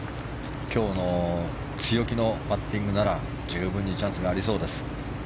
今日の強気のパッティングなら十分にチャンスがありそうです。